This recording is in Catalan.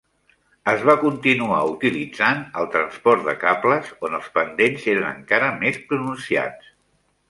Es va continuar utilitzant el transport de cables on els pendents eren encara més pronunciats.